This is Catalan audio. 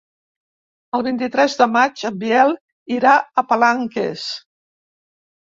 El vint-i-tres de maig en Biel irà a Palanques.